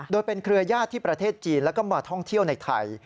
โดยเป็นเครือญาติที่ประเทศจีนแล้วก็มาท่องเที่ยวในไทย